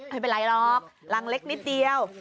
ไม่เป็นไรหรอกรังเล็กนิดเดียว